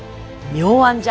妙案じゃ！